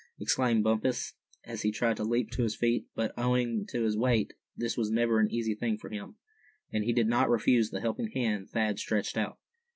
exclaimed Bumpus, as he tried to leap to his feet; but, owing to his weight, this was never an easy thing for him, and he did not refuse the helping hand Thad stretched out.